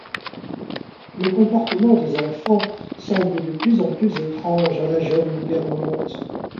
Le comportement des enfants semble de plus en plus étrange à la jeune gouvernante.